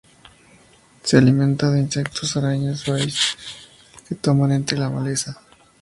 Se alimenta de insectos, arañas y bayas, que toma de entre la maleza.